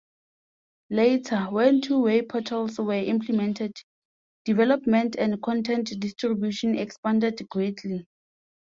Later, when two-way portals were implemented, development and content contribution expanded greatly.